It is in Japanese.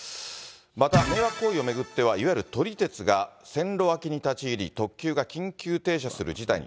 また、迷惑行為を巡っては、いわゆる撮り鉄が、線路脇に立ち入り、特急が緊急停車する事態に。